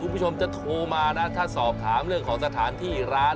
คุณผู้ชมจะโทรมานะถ้าสอบถามเรื่องของสถานที่ร้าน